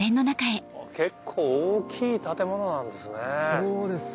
結構大きい建物なんですね。